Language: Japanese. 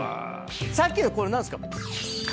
さっきのこれ何すか？